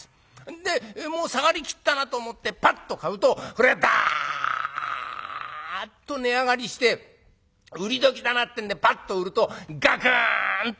で下がりきったなと思ってパッと買うとこれがダッと値上がりして売り時だなってんでパッと売るとガクンと下がります。